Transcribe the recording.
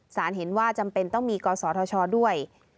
เห็นว่าจำเป็นต้องมีกศธชด้วย